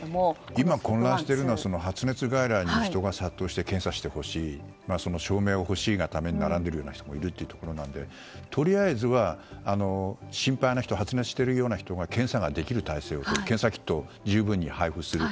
今、混乱しているのは発熱外来に人が殺到して検査してほしい証明がほしいがために並んでいるような人もいるということなのでとりあえずは心配な発熱しているような人が検査ができる体制を検査キットを十分に配布する。